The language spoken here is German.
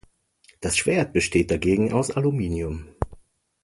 Das Schwert besteht dagegen aus Aluminium.